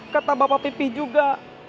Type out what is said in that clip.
kata bapak pipih juga